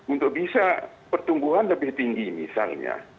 untuk bisa pertumbuhan lebih tinggi misalnya